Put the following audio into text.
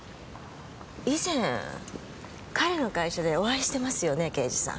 以前彼の会社でお会いしてますよね刑事さん。